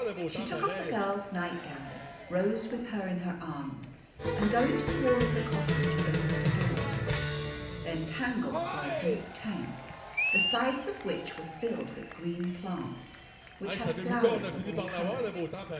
She took oil' the girl's night gown, rose with her in her arms, and goinu' to the wall of the cottage, opened a door. Then Tangle saw a deep tank, the sides of which were filled with green plants, which had flowers of all colours.